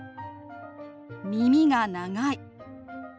「耳が長い」。